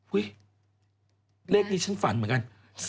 อุ้ยเลขนี้ฉันฝันเหมือนกัน๔๑๙๘